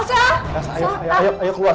elsa ayo keluar